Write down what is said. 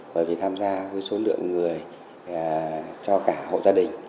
bởi vì tham gia với số lượng người cho cả hộ gia đình